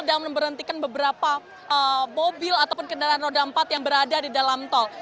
dan memberhentikan beberapa mobil ataupun kendaraan roda empat yang berada di dalam tol